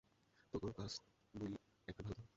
তোগের cursed বুলি একটা ভালো উদাহরণ।